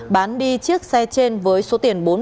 bán đi chiếc xe trên với số tiền